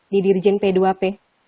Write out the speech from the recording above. di dirjen p dua p